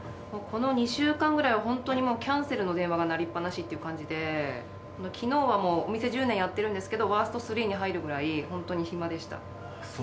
ここの２週間ぐらいは本当にもうキャンセルの電話が鳴りっぱなしっていう感じで昨日はもうお店１０年やってるんですけどワースト３に入るぐらい、本当に暇でした。